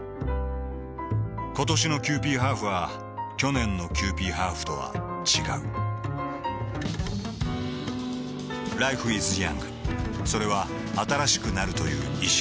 ことしのキユーピーハーフは去年のキユーピーハーフとは違うＬｉｆｅｉｓｙｏｕｎｇ．それは新しくなるという意識